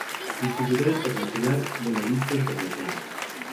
Distribuidora internacional: Buena Vista International.